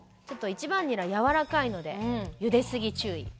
ちょっと１番ニラやわらかいのでゆで過ぎ注意。